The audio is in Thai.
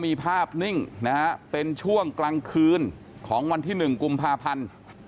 มีภาพนิ่งนะฮะเป็นช่วงกลางคืนของวันที่๑กุมภาพันธ์